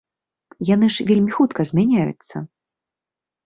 Яны ж вельмі хутка змяняюцца.